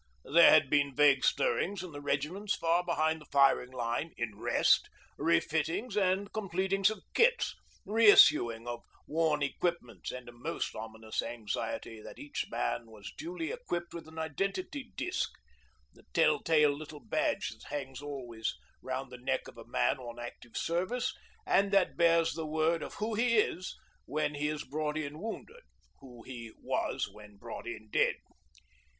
There had been vague stirrings in the regiments far behind the firing line 'in rest,' refittings and completings of kits, reissuing of worn equipments, and a most ominous anxiety that each man was duly equipped with an 'identity disc,' the tell tale little badge that hangs always round the neck of a man on active service and that bears the word of who he is when he is brought in wounded who he was when brought in dead.